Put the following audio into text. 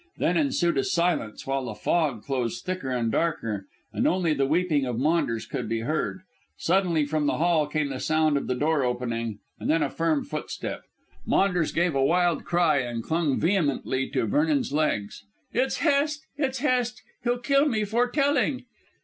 Then ensued a silence, while the fog closed in thicker and darker, and only the weeping of Maunders could be heard. Suddenly from the hall came the sound of the door opening, and then a firm footstep. Maunders gave a wild cry and clung vehemently to Vernon's legs. "It's Hest! It's Hest! He'll kill me for telling."